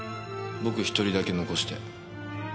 僕１人だけ残して。